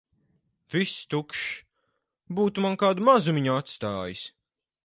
Viss tukšs. Būtu man kādu mazumiņu atstājis!